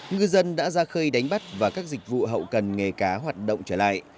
ngư dân đã ra khơi đánh bắt và các dịch vụ hậu cần nghề cá hoạt động trở lại